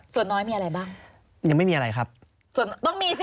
ส่วนน้อยมีอะไรบ้าง